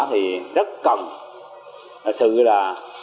thì rất cần sự là